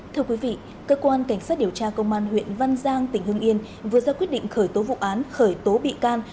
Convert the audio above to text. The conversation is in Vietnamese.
thưa quý vị cơ quan cảnh sát điều tra công an huyện văn giang tỉnh hưng yên vừa ra quyết định khởi tố vụ án khởi tố bị can